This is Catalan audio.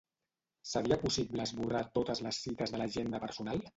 Seria possible esborrar totes les cites de l'agenda personal?